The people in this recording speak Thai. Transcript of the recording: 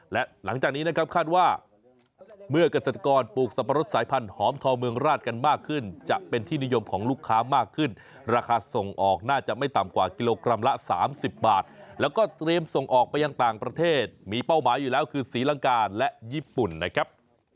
และหลังจากนี้นะครับคาดว่าเมื่อเกษตรกรปลูกสับปะรดสายพันธอมทองเมืองราชกันมากขึ้นจะเป็นที่นิยมของลูกค้ามากขึ้นราคาส่งออกน่าจะไม่ต่ำกว่ากิโลกรัมละ๓๐บาทแล้วก็เตรียมส่งออกไปยังต่างประเทศมีเป้าหมายอยู่แล้วคือศรีลังกาและญี่ปุ่นนะครับ